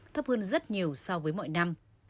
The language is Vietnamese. thấp hơn rất nhiều so với mỗi năm